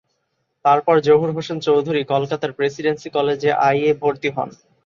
তারপর জহুর হোসেন চৌধুরী কলকাতার প্রেসিডেন্সি কলেজে আইএ ভর্তি হন।